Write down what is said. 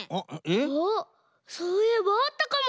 あっそういえばあったかも。